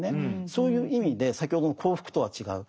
そういう意味で先ほどの幸福とは違う。